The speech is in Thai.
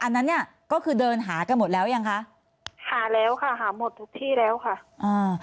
อันนั้นเนี้ยก็คือเดินหากันหมดแล้วยังคะหาแล้วค่ะหาหมดทุกที่แล้วค่ะอ่า